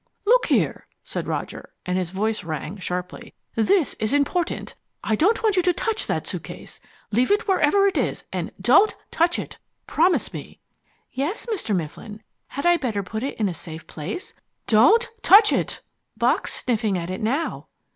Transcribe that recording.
"Look here," said Roger, and his voice rang sharply. "This is important. I don't want you to touch that suitcase. Leave it wherever it is, and DON'T TOUCH IT. Promise me." "Yes, Mr. Mifflin. Had I better put it in a safe place?" "DON'T TOUCH IT!" "Bock's sniffing at it now."